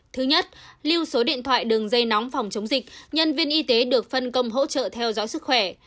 thứ nhất lưu số điện thoại đường dây nóng phòng chống dịch nhân viên y tế được phân công hỗ trợ theo dõi sức khỏe